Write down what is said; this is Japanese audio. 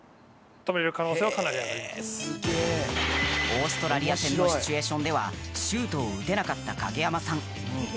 オーストラリア戦のシチュエーションではシュートを打てなかった影山さん。